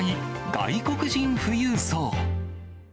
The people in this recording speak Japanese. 外国人富裕層。